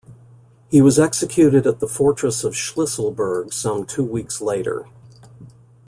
He was executed at the fortress of Shlisselburg some two weeks later.